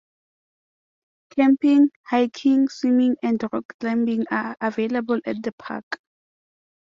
Camping, hiking, swimming, and rock climbing are available at the park.